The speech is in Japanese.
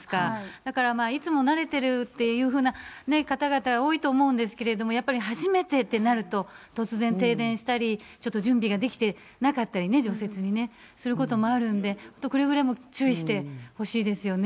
だから、いつも慣れてるっていうふうな方々、多いと思うんですけれども、やっぱり初めてってなると、突然停電したり、ちょっと準備ができてなかったりね、除雪にね、することもあるので、くれぐれも注意してほしいですよね。